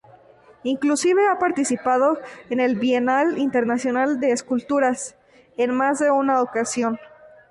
Inclusive, ha participado en el Bienal Internacional de Esculturas en más de una ocasión.